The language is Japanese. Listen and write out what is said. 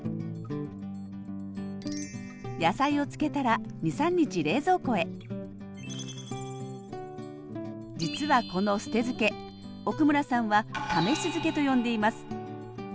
野菜を漬けたら２３日冷蔵庫へ実はこの捨て漬け奥村さんは「試し漬け」と呼んでいます。